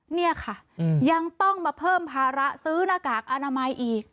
เนี่ยค่ะยังต้องมาเพิ่มภาระซื้อหน้ากากอนามัยอีก